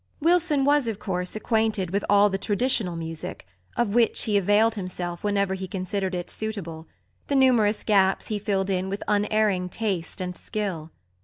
Wilson was, of course, acquainted with all the traditional music, of which he availed himself whenever he considered it suitable; the numerous gaps he filled in with unerring taste and skill.